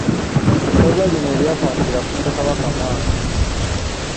Essaza lino eryatandikira ku Ssekabaka Mwanga